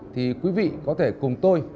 thì quý vị có thể cùng tôi